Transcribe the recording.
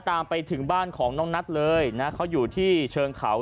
ตามไปถึงบ้านของน้องนัทเลยนะเขาอยู่ที่เชิงเขา